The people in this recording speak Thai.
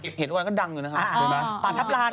เลขคุณยานที่หลงห้อปากเก็บเห็นกว่าก็ดังเลยนะครับ